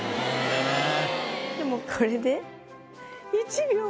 でもこれで。